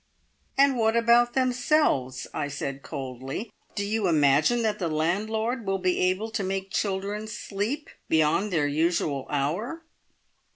"And what about themselves?" I said coldly. "Do you imagine that the landlord will be able to make children sleep beyond their usual hour?"